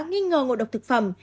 nghi ngờ ngộ độc thực phẩm